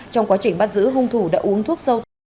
trong quá trình bắt giữ hung thủ đã uống thuốc sâu